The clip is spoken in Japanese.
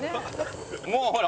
もうほら。